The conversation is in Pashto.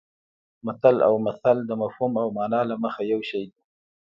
متل او مثل د مفهوم او مانا له مخې یو شی دي